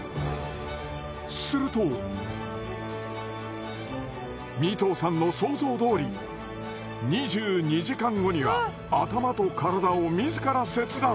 すると三藤さんの想像どおり２２時間後には頭と体を自ら切断。